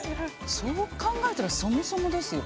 そう考えたらそもそもですよ。